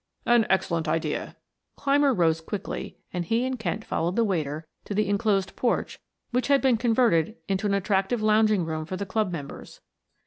"An excellent idea." Clymer rose quickly and he and Kent followed the waiter to the inclosed porch which had been converted into an attractive lounging room for the club members.